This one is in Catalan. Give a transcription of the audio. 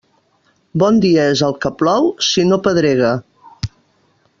Bon dia és el que plou, si no pedrega.